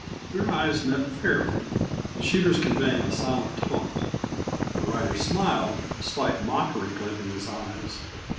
Their eyes met fairly, the shooter's conveying a silent taunt. The rider smiled, slight mockery glinting his eyes.